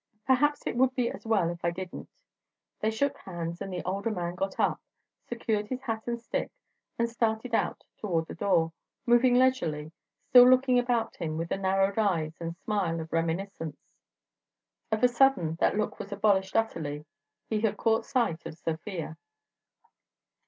"Perhaps it would be as well if I didn't." They shook hands, and the older man got up, secured his hat and stick, and started out toward the door, moving leisurely, still looking about him with the narrowed eyes and smile of reminiscence. Of a sudden that look was abolished utterly. He had caught sight of Sofia.